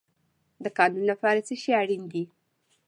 د قانون لپاره څه شی اړین دی؟